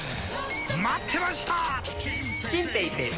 待ってました！